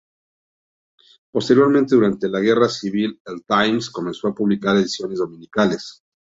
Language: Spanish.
Posteriormente, durante la Guerra Civil, el "Times" comenzó a publicar ediciones dominicales.